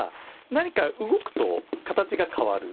何か動くと形が変わる。